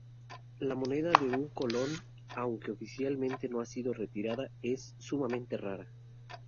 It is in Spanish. La moneda de un colón, aunque oficialmente no ha sido retirada, es sumamente rara.